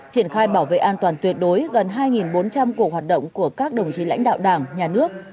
triển khai bảo vệ an toàn tuyệt đối gần hai bốn trăm linh cuộc hoạt động của các đồng chí lãnh đạo đảng nhà nước